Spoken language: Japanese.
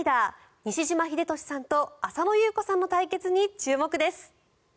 西島秀俊さんと浅野ゆう子さんの対決に注目です。